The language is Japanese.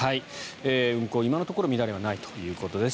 運行、今のところ乱れはないということです。